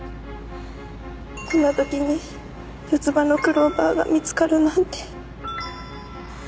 こんな時に四つ葉のクローバーが見つかるなんて。